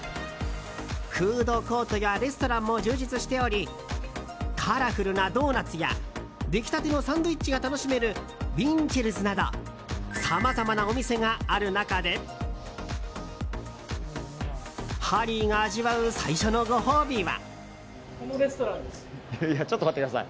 フードコートやレストランも充実しておりカラフルなドーナツや出来たてのサンドイッチが楽しめるウィンチェルズなどさまざまなお店がある中でハリーが味わう最初のご褒美は。